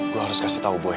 gua harus kasih tau boy